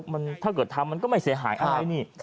มันถ้าเกิดทำมันก็ไม่เสียหายอะไรนี่